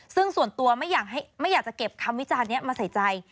ซึ่งส่วนตัวไม่อยากจะเก็บคำวิจารณ์นี้มาใส่ใจ